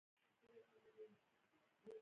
زړه د نرمې خبرې سیوری دی.